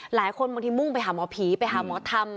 บางทีมุ่งไปหาหมอผีไปหาหมอธรรม